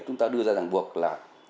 chúng ta đưa ra rằng buộc là